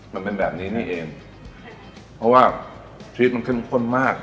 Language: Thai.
มันเป็นแบบนี้นี่เองเพราะว่าชีวิตมันเข้มข้นมาก